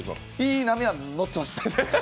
いい波は乗ってます。